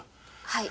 はい。